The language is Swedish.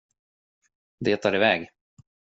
Det är iväg.